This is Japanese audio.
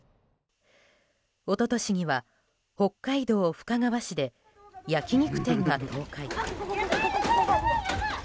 一昨年には北海道深川市で焼き肉店が倒壊。